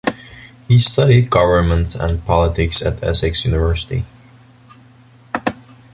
He studied government and politics at Essex University.